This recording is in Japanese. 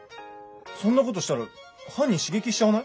そんなことしたら犯人刺激しちゃわない？